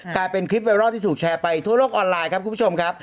กลายเป็นคลิปไวรัลที่ถูกแชร์ไปทั่วโลกออนไลน์ครับคุณผู้ชมครับ